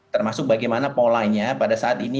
termasuk bagaimana polanya pada saat ini